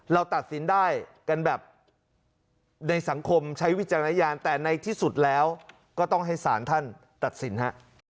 ตัดสินได้กันแบบในสังคมใช้วิจารณญาณแต่ในที่สุดแล้วก็ต้องให้สารท่านตัดสินฮะ